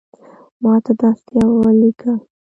ماته داسی اولیکه